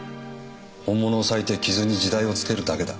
本物を裂いて傷に時代をつけるだけだ。